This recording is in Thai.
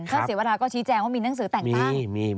เสียวราก็ชี้แจงว่ามีหนังสือแต่งตั้ง